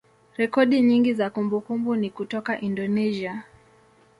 rekodi nyingi za kumbukumbu ni kutoka Indonesia.